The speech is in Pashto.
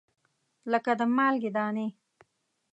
لګه د مالګې دانې